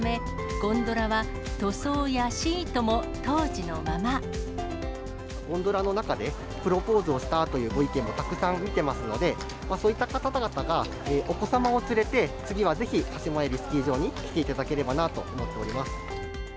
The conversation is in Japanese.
ゴンドラの中でプロポーズをしたというご意見もたくさん来ていますので、そういった方々が、お子様を連れて次はぜひ、鹿島槍スキー場に来ていただければなと思っております。